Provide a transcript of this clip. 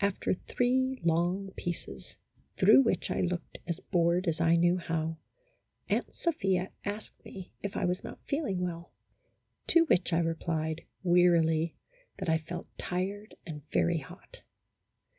After three long pieces, through which I looked as bored as I knew how, Aunt Sophia asked me if I was not feeling well. To which I replied, wearily, that I felt tired and very hot.